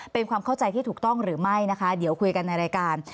เป็นความเข้าใจที่ถูกต้องหรือไม่นะคะเดี๋ยวคุยกันในรายการ